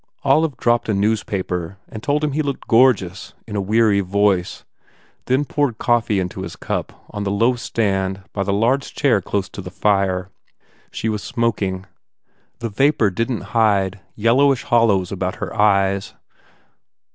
Olive dropped a newspaper and told him he looked "gorgeous" in a weary voice, then poured coffee into his cup on the low stand by a large chair close to the fire. She was smoking. The vapour didn t hide yellowish hollows about her eyes.